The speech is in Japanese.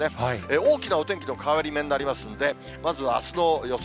大きなお天気の変わり目になりますので、まずはあすの予想